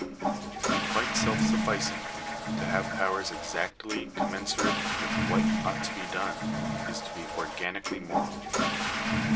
To be quite self sufficing — to have powers exactly commensurate with what ought to be done, is to be organically moral.